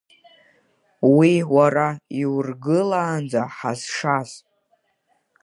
Уи уара иургылаанӡа Ҳазшаз.